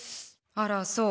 あらそう。